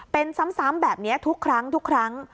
เป็นซ้ำแบบนี้ทุกครั้ง